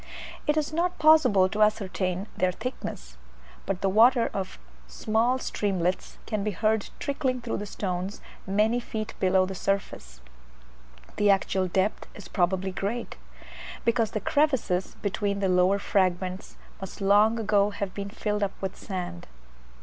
It is not possible to ascertain their thickness, but the water of small streamlets can be heard trickling through the stones many feet below the surface. The actual depth is probably great, because the crevices between the lower fragments must long ago have been filled up with sand.